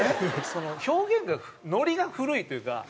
表現がノリが古いというか。